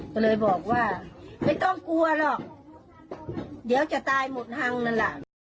ก็เลยบอกว่าไม่ต้องกลัวหรอกเดี๋ยวจะตายหมดฮังนั่นแหละ